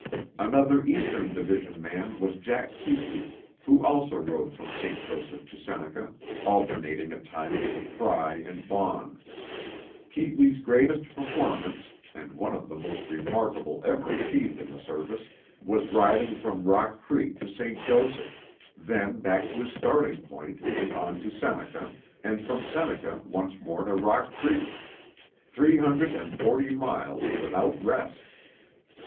Another Eastern Division man was Jack Keetly, who also rode from St. Joseph to Seneca, alternating at times with Frey and Baughn. Keetley's greatest performance, and one of the most remarkable ever achieved in the service, was riding from Rock Creek to St. Joseph; then back to his starting point and on to Seneca, and from Seneca once more to Rock Creek three hundred and forty miles without rest.